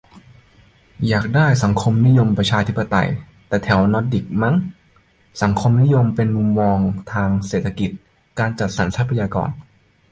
อยากได้สังคมนิยมประชาธิปไตยแบบแถวนอร์ดิกมั่ง สังคมนิยมเป็นมุมมองทางเศรษฐกิจ-การจัดสรรทรัพยากร